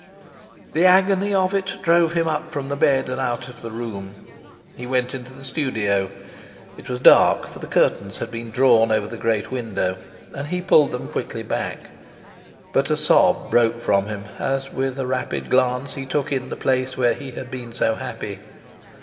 The agony of it drove him up from the bed and out of the room. He went into the studio. It was dark, for the curtains had been drawn over the great window, and he pulled them quickly back; but a sob broke from him as with a rapid glance he took in the place where he had been so happy.